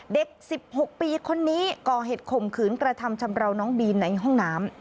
เด็ก๑๖ปีคนนี้ก่อเหตุข่มขืนกระทำชำราวน้องบีนในห้องน้ำ